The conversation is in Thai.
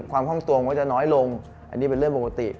ความคล่องตัวมันก็จะน้อยลงอันนี้เป็นเรื่องปกติ